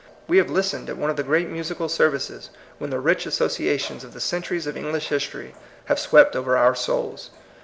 We have listened at one of the great mu sical services, when the rich associations of the centuries of English history have swept over our souls.